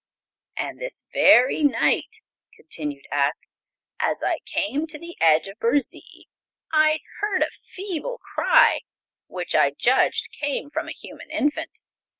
"And this very night," continued Ak, "as I came to the edge of Burzee I heard a feeble cry, which I judged came from a human infant.